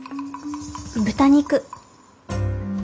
豚肉。